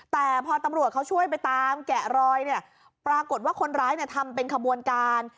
แต่พอตำรวจเขาช่วยไปตามแกะรอยเนี่ยปรากฏว่าคนร้ายทำเป็นขบวนการ